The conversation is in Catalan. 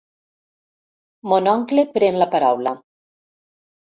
Mon oncle pren la paraula.